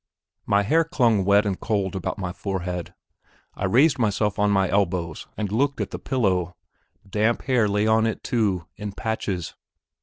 My hair clung wet and cold about my forehead. I raised myself on my elbow and looked at the pillow; damp hair lay on it, too, in patches.